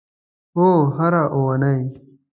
هو، هره اونۍ